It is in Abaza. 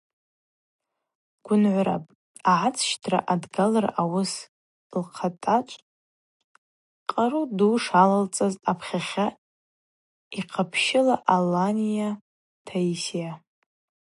Гвынгӏвырапӏ агӏацӏщтра адгалра ауыс лхъатачӏв къару ду шалалцӏаз апхьахьа йхъапщыла Аланиа Таисия.